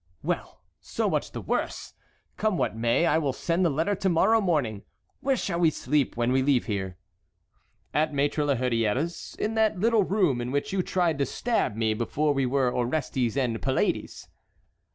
"Well! so much the worse. Come what may, I will send the letter to morrow morning. Where shall we sleep when we leave here?" "At Maître la Hurière's, in that little room in which you tried to stab me before we were Orestes and Pylades!"